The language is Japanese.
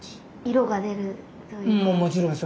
色が出るというか？